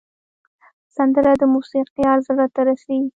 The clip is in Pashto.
سندره د موسیقار زړه ته رسي